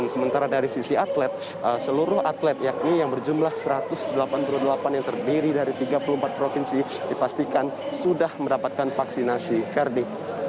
sementara dari sisi atlet seluruh atlet yakni yang berjumlah satu ratus delapan puluh delapan yang terdiri dari tiga puluh empat provinsi dipastikan sudah mendapatkan vaksinasi verdi